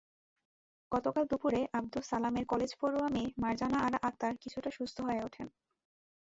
গতকাল দুপুরে আবদুস সালামের কলেজপড়ুয়া মেয়ে মারজানা আরা আক্তার কিছুটা সুস্থ হয়ে ওঠেন।